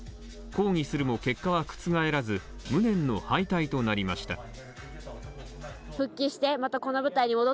抗議するも結果は覆らず無念の敗退となりました。